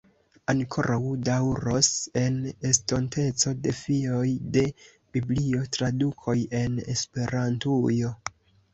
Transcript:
Ankoraŭ daŭros en estonteco defioj de Biblio-tradukoj en Esperantujo.